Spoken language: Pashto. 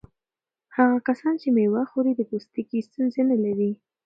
هغه کسان چې مېوه خوري د پوستکي ستونزې نه لري.